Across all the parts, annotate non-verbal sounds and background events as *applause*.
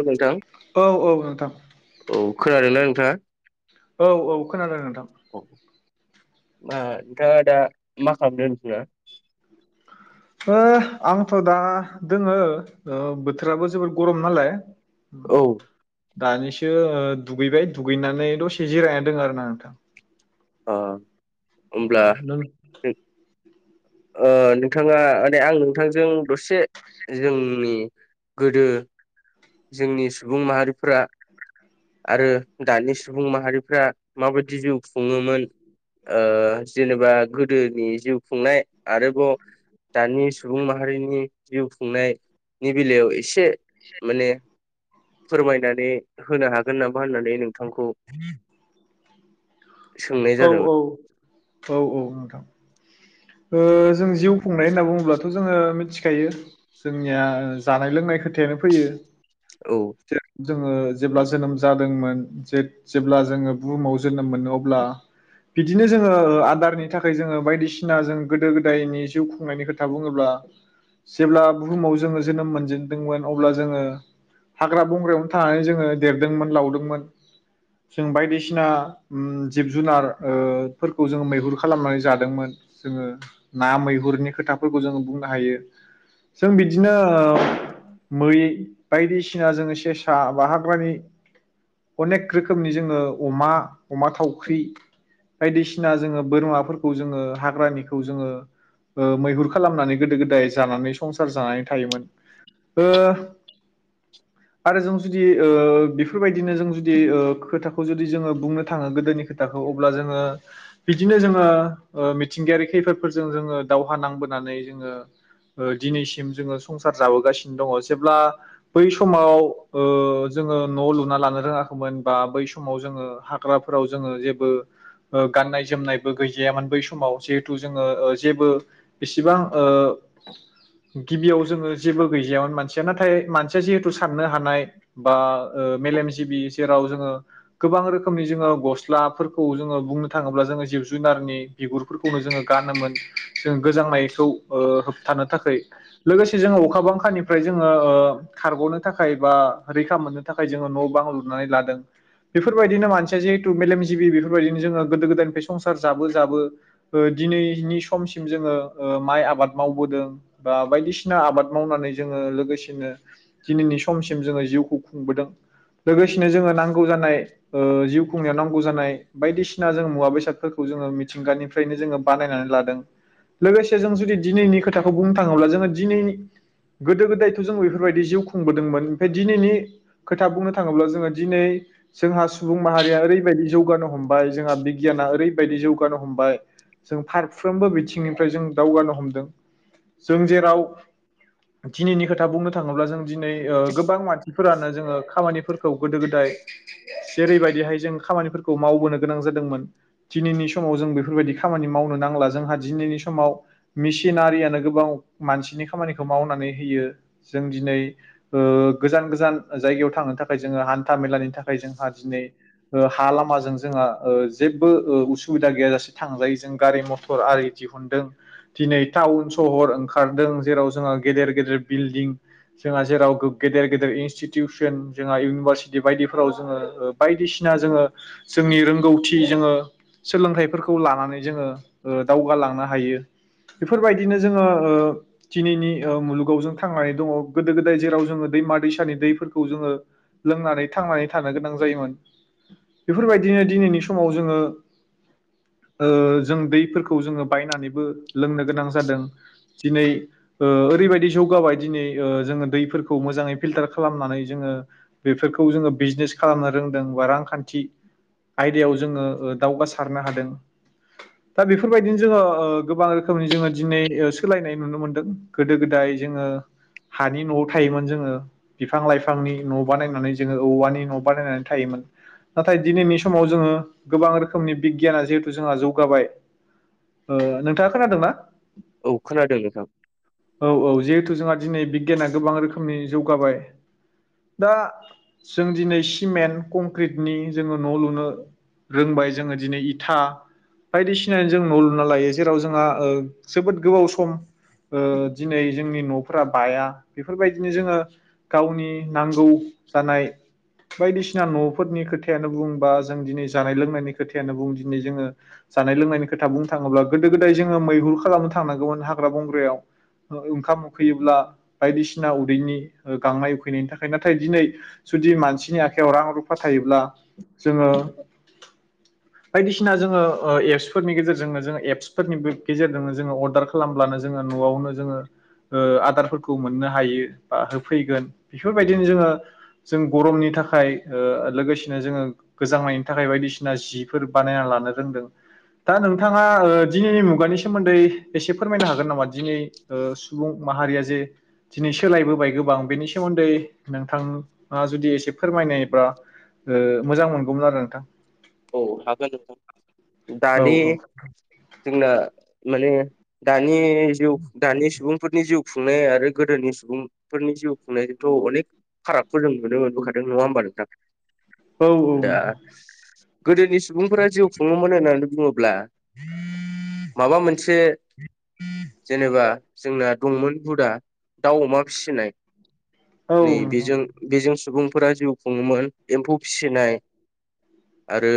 औ नोंथां औ औ नोंथां औ खोनादोंना नोंथाङा। औ औ खोनादों नोंथां औ मा नोंथाङा दा मा खालामदों नोंथाङा । ओ आंथ दा दोङो बोथोराबो जोबोर गरम नालाय। औ दानिसो दुगैबाय दुगैनानै दसे जिरायनानै दोंडो आरोना नोंथां अह। ओमब्ला। ओ नोंथाङा आंनि आं नोंथांजों दसे जोंनि गोदो जोंनि सुबुं माहारिफोरा आरो दानि सुबुं माहारिफ्रा माबायदि जिउ खुङोमोन ओ जेनेबा गोदोनि जिउ खुंनाय आरोबाव दानि सुबुं माहारिनि जिउ खुंनायनि बेलायाव एसे। एसे। माने फोरमायनानै होनो हागोन नामा होननानै नों थांखौ। औ औ औ औ नोंथां। ओ औ जों जिउ खुंनाय होनना बुङो। ब्लाथ जोङो मिथिखायो जोंनिया जानाय लोंनाय खोथायानो फैयो। औ। जोङो जेब्ला जोनोम जादोंमोन जेब्ला जोङो बुहुमाव जोनोम मोनो अब्ला बिदिनो जोङो आदारनि थाखाय जोङो बायदिसिना। जों गोदो गोदायनि जिउ खुंनायनि खोथा बुङोब्ला जेब्ला बुहुमाव जोङो जोनोम मोनजेनदोंमोन अब्ला जोङो हाग्रा बंग्रायावनो थानानै जोङो देरदोंमोन लावदोंमोन जों बायदिसिना जिब जुनारफोरखौ जोङो मैहुर खालामनानै जादोंमोन। जोङो ना मैहुरनि खोथाफोरखौ जोङो बुंनो हायो जों बिदिनो ओ मै। बायदिसिना जोङो सेसा बा हाग्रानि अनेक रोखोमनि जोङो अमा अमा थावख्रि बायदिसिना जोङो बोरमाफोरखौ जोङो हाग्रा। जोंडो मैहुर खालामनानै गोदो गोदाय जानानै संसार जानानै थायोमोन ओ आरो जों जुदि ओ बेफोरबायदिनो जों जुदि ओ खोथाखौ जु जोङो बुंनो थाङो गोदोनि खोथाखौ अब्ला जोङो बिदिनो जोङो ओ। मिथिंगायारि खैफदजों जोङो दावहा नांबोनानै जोङो दिनैसिम जोङो संसार जाबोगासिनो दङ जेब्ला बै समाव ओ जोङो न लुना लानो रोङाखैमोन बा बै समाव जोङो। हाग्राफोराव जोङो जेबो गाननाय जोमनायबो गैजायामोन बै समाव। जिहेथु जोङो जेबो बेसेबां गिबियाव जोङो जेबो गैजायामोन मानसिया नाथाय मानसिया जिहेथु। साननो हानाय बा ओ मेलेमजिबि जेराव जोङो गोबां रोखोमनि जोङो गस्लाफोरखौ जोङो बुंनो थाङोब्ला जोङो जिब जुनारनि बिगुर। फोरखौनो जोङो गानोमोन जों गोजांनायखौ होबथानो थाखाय लोगोसे जोङो अखा बांखानिफ्राय जोङो खारग नो थाखाय बा रैखा मोननो थाखाय जोङो न बां लुनानै लादों बेफोरबायदिनो मानसिया जिहेथु मेलेमजिबि बेफोरबायदिनो जोङो गोदो गोदायनिफ्राय संसार जाबो जाबो। ओ दिनैनि समसिम जोङो माइ आबाद मावबोदों बा बायदिसिना आबाद मावनानै जोङो लोगोसेनो दिनैनि समसिम जोङो जिउखौ खुंबोदों लोगोसेनो जोङो नांगौ जानाय ओ जिउ खुंनायाव नांगौ जानाय बायदिसिना जों मुवा बेसादफोरखौ जोङो मिथिंगानि फैनो जोङो बानायनानै लादों लोगोसे जों जुदि दिनैनि खोथाखौ बुंनो थाङोब्ला जोङो दिनै गोदो गोदायथ जों बेफोरबायदि जिउ खुंबोदोंमोन ओमफ्राय दिनैनि खोथा बुंनो थाङोब्ला जोङो दिनै जोंहा सुबुं माहारिया ओरैबायदि जौगानो हमबाय जोंहा बिगियाना ओरैबायदि जौगानो हमबाय। जों फारफ्रोमबो बिथिंनिफ्राय जों दावगानो हमदों जों जेराव दिनैनि खोथा बुंनो थाङोब्ला जों दिनै ओ गोबां मानसिफोरानो जोङो खामानिफोर गोदो गोदाय जेरैबायदिहाय जों खामानिफोरखौ मावबोनो गोनां जादोंमोन दिनैनि समाव जों बेफोरबायदि। खामानि मावनो नांला जोंहा दिनैनि समाव मेसिन आरियानो गोबां मानसिनि खामानिखौ मावनानै होयो ।जों दिनै ओ गोजान गोजान जायगायाव थांनो थाखाय जोङो हान्था मेलानि थाखाय जोंहा दिनै ओ हा लामाजों जोंहा ओ जेबो ओ उसुबिदा गैया जासे थांजायो जों गारि मथर आरि दिहुनदों दिनै टाउन सहर ओंखारदों जेराव जोंहा गेदेर गेदेर बिलडिं जोंहा जेराव गेदेर गेदेर इनस्टिटिउसन जोंहा इउनिभारसिटि बायदिफोराव जोङो ओ बायदिसिना जोङो जोंनि रोंगौथि जोङो सोलोंथाइफोरख खौ लानानै जोङो ओ दावगाालांनो हायो। बेफोरबायदिनो जोङो ओ दिनैनि ओ मुलुगाव जों थांनानै दङ। गोदो गोदाय जेराव जोङो दैमा दैसानि दैफोरखौ जोङो लोंनानै थांनानै थानो गोनां जायोमोन बेफोरबायदिनो दिनैनि समाव जोङो ओ जों दैफोरखौ जोङो बायनानैबो लोंनो गोनां जादों दिनै ओ ओरैबायदि जौगाबाय दिनै ओ जोङो दैफोरखौ मोजाङै फिलटार खालामनानै जोङो बेफोरखौ जोङो बिजनेस खालामनो रोंदों बा रांखान्थि आयदायाव जोङो ओ दावगासारनो हादों। दा बेफोरबायदिनो जोङो ओ गोबां रोखोमनि जोङो दिनै ओ सोलायनाय नुनो मोनदों। गोदो गोदाय जोङो हानि नआव थायोमोन जोङो बिफां लाइफांनि न बानायनानै जोङो औवानि न बानायनानै थायोमोन नाथाय दिनैनि समाव जोङो गोबां रोखोमनि बिगियाना जिहेतु जोंहा जौगाबाय ओ नोंथाङा खोनादोंना? औ खोनादों नोंथां औ औ जिहेथु जोंहा दिनै बिगियाना गोबां रोखोमनि जौगाबाय दा जों दिनै सिमेन्ट कंक्रिटनि जोङो न लुनो रोंबाय जोङो दिनै इथा। बायदिसिनाजों न लुना लायो जेराव जोंहा ओ जोबोद गोबाव सम ओ दिनै जोंनि नफोरा बाया बेफोरबायदिनो जोङो गावनि नांगौ जानाय बायदिसिना नफोरनि खोथायानो बुं बा जों दिनै जानाय लोंनायनि खोथायानो बुं दिनै जोङो जानाय लोंनायनि खोथा बुंनो थाङोब्ला गोदो गोदाय जोङो मैहुर खालामनो थांनांगौमोन हाग्रा बंग्रायाव ओ ओंखाम उखैयोब्ला बायदिसिना उदैनि ओ गांनाय उखैनायनि थाखाय नाथाय दिनै जुदि मानसिनि आखायाव रां रुफा थायोब्ला जोङो बायदिसिना जोङो ओ एप्सफोरनि गेजेरजोंनो जोङो एप्सफोरनिबो गेजेरजोंनो जोङो ओ अर्डार खालामब्लानो जोङो नआवनो जोङो ओ आदारफोरखौ मोननो हायो बा होफैगोन बेफोरबायदिनो जोङो जों गरमनि थाखाय ओ लोगोसेनो जोङो गोजांनायनि थाखाय बायदिसिना जिफोर बानायना लानो रोंदों। दा नोंथाङा ओ दिनैनि मुगानि सोमोन्दै एसे फोरमायनो हागोन नामा? दिनै ओ सुबुं माहारिया जे दिनै सोलायबोबाय गोब बां बेनि सोमोन्दै। नोंथांआ जुदि एसे फोरमायनायब्रा ओ मोजां मोनगौमोन आरो नोंथां। औ हागोन नोंथां। औ दानि औ जोंना। माने दा नि जिउ दानि सुबुंफोरनि जिउ। खुंनाय आरो गोदोनि सुबुंफोरनि जिउ खुंनायखौथ अनेक फारागखौ जों नुनो मोनबोखादों नङा होमबा नोंथां? औ दा नोंथां गोदोनिस सुबुंफोरा जिउ खुङोमोन होननानै बुङोब्ला माबा मोनसे जेनेबा जोंना दंमोन हुदा दाउ अमा फिसिनाय। औ नै नोंथां बेजों बेजों सुबुं फोरा जिउ खुङोमोन एम्फौ फिसिनाय आरो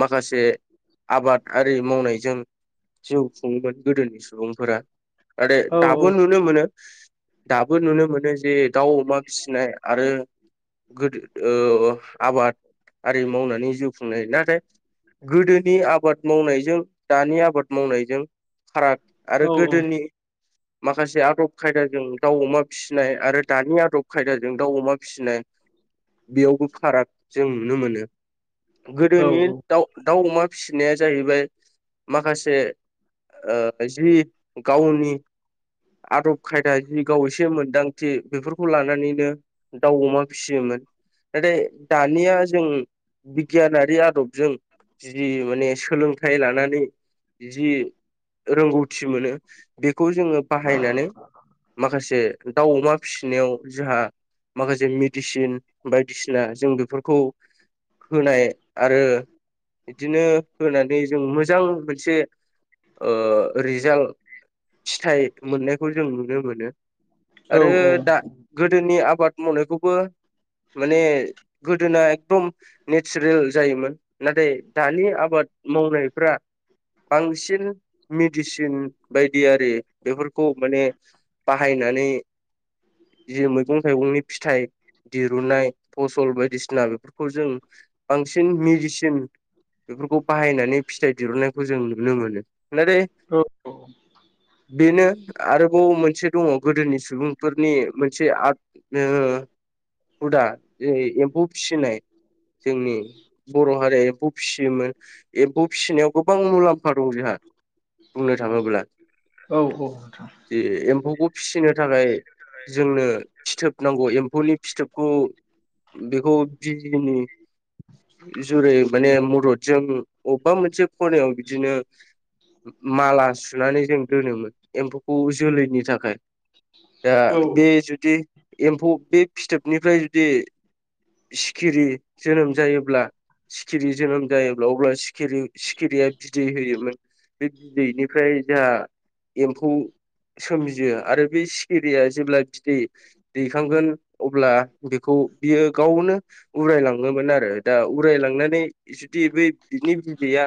माखासे आबाद आरि मावनायजों जिउ खुङोमोन गोदोनि सुबुंफोरा। आरो औ दाबो नुनो मोनो। दाबो नुनो मोनो जे दाउ अमा फिसिनाय आरो गोदो गोदो ओ आबादआरि मावनानै जिउ खुंनाय नाथाय गोदोनि आबाद मावनायजों दानि आबाद मावनायजों फाराग आरो औ औ गोदोनि माखासे आदब खायदाजों दाउ अमा फिसिनाय आरो दानि आदब खायदाजों दाउ अमा फिसिनाय बेयावबो फाराग जों नुनो मोनो। औ गोदोनि दाउ दाउ अमा फिसिनाया जाहैबाय माखासे ओ जि गावनि आदब खायदा जि गाव एसे मोनदांथि बेफोरखौ लानानैनो दाउ अमा फिसियोमोन नाथाय दानिया जों बिगियानारि आदबजों जि माने सोलोंथाइ लानानै जि रोंगौथि मोनो बे खौ जोङो बाहायनानै माखासे। दाउ अमा फिसिनायाव जोंहा माखासे मेडिसिन बायदिसिना जों बेफोरखौ। होनाय आरो बिदिनो होनानै जों मोजां मोनसे ओ रिजाल्ट फिथाइ मोननायखौ जों नुनो मोनो। आरो दा गोदोनि आब बाद मावनायखौबो माने गोदोना एकदम नेचारेल जायोमोन नाथाय दानि आबाद मावनायफ्रा बांसिन मेडिसिन बायदियारि बेफोरखौ माने बाहायनानै जि मैगं थाइगंनि फिथाइ दिरुनाय फसल बायदिसिना बेफोर खौ जों बांसिन मेडिसिन बेफोरखौ बाहायनानै फिथाइ दिरहुनां खौ जों नुनो मोनो। नुनानै बेनो आरोबाव मोनसे दङ गोदोनि सुबुंफोरनि मोनसे ओ हुदाै एम्फौ फि जोंनि बर' हारिया एम्फौ फिसियोमोन एम्फौ फिसिनायाव गोबां मुलाम्फा दं जोंहा बुंनो थाङोब्ला औ नोंथां औ जे एम्फौखौ फिसिनो थाखाय जोंनो फिथोब नांगौ एम्फौनि फिथोबखौ बेखौ दि जोंनि जुरै माने मददजों अबेबा मोनसे खनायाव बिदिनो माला सुनानै जों दोनोमोन एम्फौखौ जोलैनि थाखाय दा बे जुदि एम्फौ बे फिथोबनिफ्राय जुदि खिरि जोनोम जायोब्ला सिखिरि जोनोम जायोब्ला अब्ला सिखिरि-सिखिरिया बिदै होयोमोन बे बिदैनिफ्राय जोंहा एम्फौ सोमजियो आरो बे सिखिरिया जेब्ला बिदै दैखांगोन अब्ला बेखौ बियो गावनो उरायलाङोमोन आरो दा उरायलांनानै जुदि बै बिनि बिदैया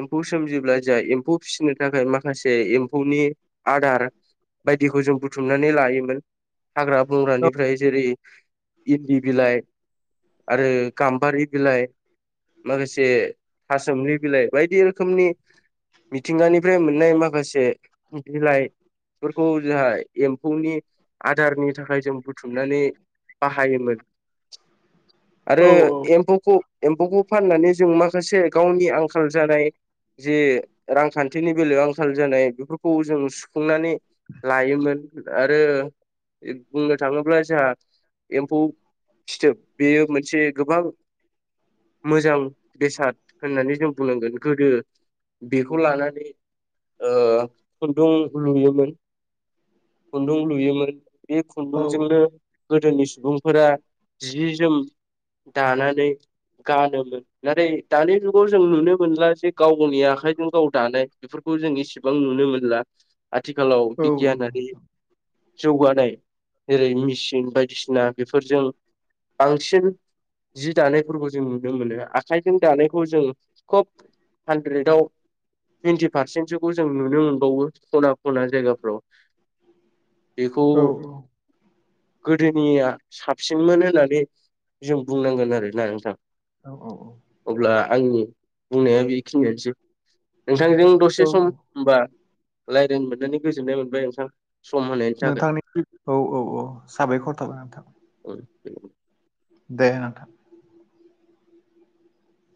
एम्फौ सोमजिब्ला जहा एम्फौ फिसिनो थाखाय माखासे एम्फौनि आदार बायदिखौ जों बुथुमनानै लायोमोन हाग्रा-बंग्रानिफ्राय जेरै इन्दि बिलाय आरो गाम्बारि बिलाइ माखासे थासोमलि बिलाइ बायदि रोखोमनि मिथिंगानिफ्राय मोननाय माखासे बिलाइफोरखौ जोंहा एम्फौनि आदारनि थाखाय जों बुथुम अनानै बाहायोमोन आरो एम्फौखौ एम्फौखौ फाननानै जों माखासे गावनि आंखाल जानाय जे रांखान्थिनि बेलायाव आंखाल जानाय बे खौ जों सुखुंनानै लायोमोन आरो बुंनो थाङोब्ला जोंहा एम्फौ फिथोब मोनसे गोबां मोजां बेसाद होननानै जों बुंनांगोन गोदो बेखौ लानानै ओ खुन्दुं लुयोमोन खुन्दुं लुयोमोन बे खुन्दुंजोंनो जोंनि सुबुंफोरा जि जोम दानानै गानोमोन नाथाय दानि जुगाव जों नुनो मोनला जे गाव गावनि आखाइजों गाव दानाय बेफोरखौ जों इसेबां नुनो मोनला। आथिखालाव बिगियानारि जौगानाय जेरै मेचिन बायदिसिना बेफोरजों बांसिन जि दानायफोरखौ जों नुनो मोनो आखाइजों दानायखौ जों खोब हानद्रेदाव टुइन्टि पारसेन्टसोखौ जों नुनो मोनबावो खना खना जायगाफ्राव बेखौ गोदोनिया साबसिनमोन होननानै जों बुंनांगोन आरोना नोंथां औ औ औ अब्ला आंनि बुंनाया बेखिनियानोसै। नोंथांजों दसे औ सम होमबा रायलाय मोननानै गोजोननाय मोनबाय नोंथां सम होनायनि नोंथांनि औ औ औ साबायखर थाबाय नोंथां *inaudible* दे नोथां